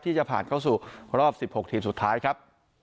ที่จะผ่านเข้าสู่รอบ๑๖ทีมสุดท้ายครับ